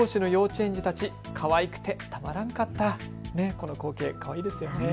この光景、かわいいですよね。